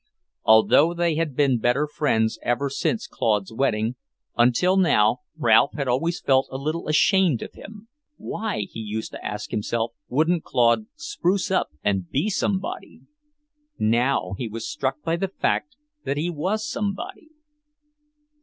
Although they had been better friends ever since Claude's wedding, until now Ralph had always felt a little ashamed of him. Why, he used to ask himself, wouldn't Claude "spruce up and be somebody"? Now, he was struck by the fact that he was somebody.